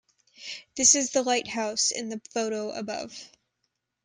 This is the lighthouse in the photo above.